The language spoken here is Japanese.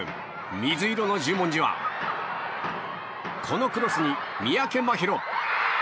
水色の十文字は、このクロスに三宅万尋。